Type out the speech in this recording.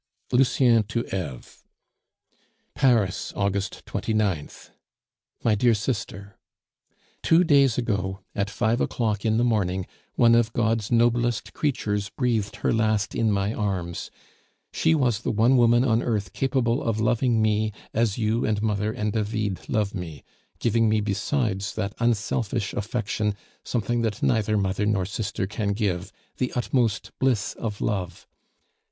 Lucien to Eve. "PARIS, August 29th. "MY DEAR SISTER, Two days ago, at five o'clock in the morning, one of God's noblest creatures breathed her last in my arms; she was the one woman on earth capable of loving me as you and mother and David love me, giving me besides that unselfish affection, something that neither mother nor sister can give the utmost bliss of love.